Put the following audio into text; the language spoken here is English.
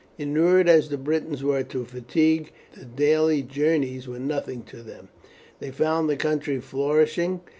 Inured as the Britons were to fatigue, the daily journeys were nothing to them. They found the country flourishing.